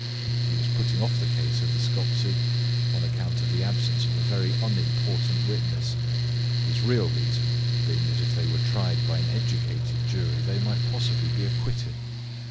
He was putting off the case of the Skoptzy on account of the absence of a very unimportant witness, his real reason being that if they were tried by an educated jury they might possibly be acquitted.